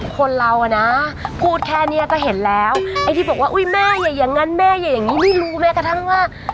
คนเราอ่ะนะพูดแค่เนี้ยก็เห็นแล้วไอ้ที่บอกว่าอุ้ยแม่อย่าอย่างนั้นแม่อย่าอย่างนี้ไม่รู้แม้กระทั่งว่า